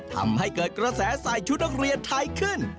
ทำให้เกิดกระแสใส่ชุดนักเรียนไทยขึ้น